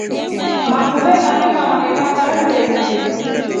Mafuve amemaama mahemba kulya mndeni.